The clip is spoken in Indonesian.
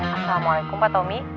assalamualaikum pak tommy